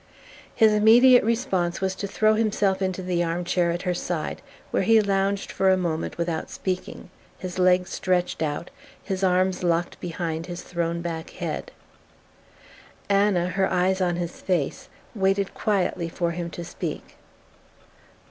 His immediate response was to throw himself into the armchair at her side, where he lounged for a moment without speaking, his legs stretched out, his arms locked behind his thrown back head. Anna, her eyes on his face, waited quietly for him to speak.